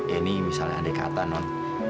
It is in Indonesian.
ini misalnya ada kata non